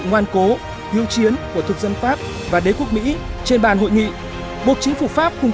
ngoan cố hưu chiến của thực dân pháp và đế quốc mỹ trên bàn hội nghị buộc chính phủ pháp cùng